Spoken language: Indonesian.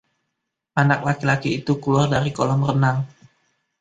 Anak laki-laki itu keluar dari kolam renang.